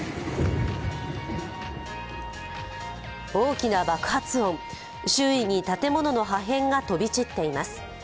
大きな爆発音、周囲に建物の破片が飛び散っています。